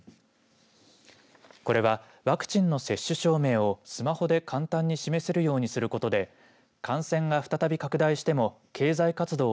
これはワクチンの接種証明をスマホで簡単に示せるようにすることで感染が再び拡大しても経済活動を